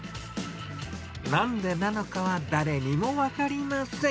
なんでなのかは誰にも分かりません。